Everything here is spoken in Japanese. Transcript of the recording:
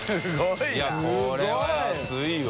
いやこれは安いわ。